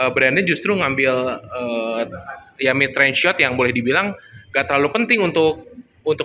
brandnya justru ngambil ya mitrain shot yang boleh dibilang gak terlalu penting untuk untuk